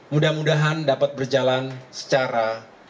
mudah mudahan dapat berjalan secara